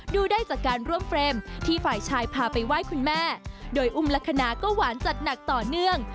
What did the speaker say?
ดูได้จากการร่วมเฟรมที่ฝ่ายชายพาไปไหว้คุณแม่โดยอุ้มลักษณะก็หวานจัดหนักต่อเนื่อง